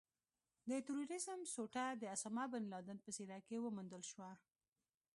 د ترورېزم سوټه د اسامه بن لادن په څېره کې وموندل شوه.